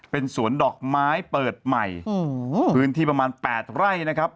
เป็นสวนดอกไม้เปิดใหม่โอ้โหพื้นที่ประมาณ๘ไร่นะครับ